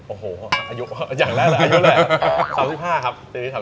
โอ้โหอย่างแรกเลยอายุ๓๕ครับ